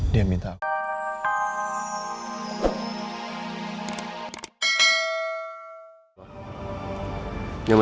dia minta aku